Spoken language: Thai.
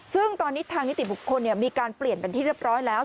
ซึ่งตอนนี้ทางนิติบุคคลมีการเปลี่ยนเป็นที่เรียบร้อยแล้ว